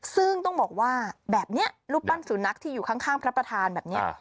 ซึ่งต้องบอกว่าแบบนี้รูปปั้นสุนัขที่อยู่ข้างพระประธานแบบนี้